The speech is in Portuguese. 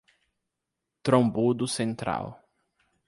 Trombudo Central